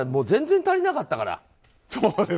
全然足りなかったから。